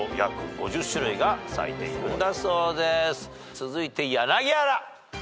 続いて柳原。